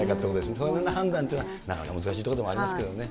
その判断というのはなかなか難しいところでもありますけどね。